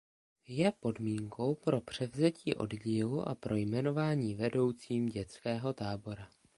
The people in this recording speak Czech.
Je podmínkou pro převzetí oddílu a pro jmenování vedoucím dětského tábora.